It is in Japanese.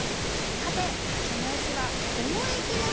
さてその駅はどの駅でしょう？